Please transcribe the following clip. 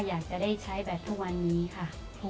อยากจะได้ใช้แบบทุกวันนี้ค่ะ